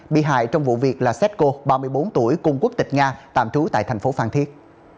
bị hại trong vụ việc là setco ba mươi bốn tuổi cùng quốc tịch nga tạm trú tại thành phố phan thiết